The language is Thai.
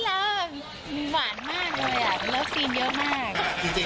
แล้วคืนเยอะมาก